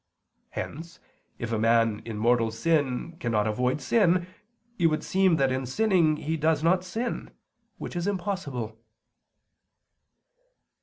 Hence if a man in mortal sin cannot avoid sin, it would seem that in sinning he does not sin, which is impossible.